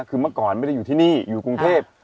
คือเมื่อก่อนไม่ได้อยู่ที่นี่อยู่กรุงเทพ